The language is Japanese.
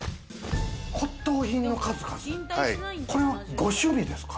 骨董品の数々、これはご趣味ですか？